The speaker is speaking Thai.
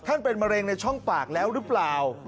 เป็นมะเร็งในช่องปากแล้วหรือเปล่า